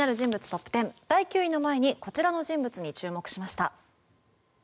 トップ１０第９位の前にこちらの人物に注目しました。